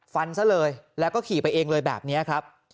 ฟันซะเลยแล้วก็ขี่ไปเองเลยแบบนี้ครับ